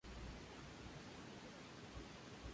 Es el actual capitán de la selección francesa.